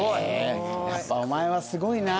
やっぱお前はすごいな。